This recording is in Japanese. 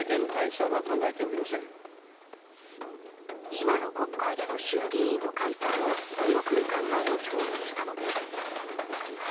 今の国会での衆議院の解散を見送る考えを表明したのです。